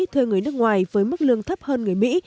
thuê người nước ngoài với mức lương thấp hơn người mỹ